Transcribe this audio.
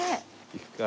行くか。